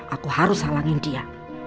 aku harus halangin dia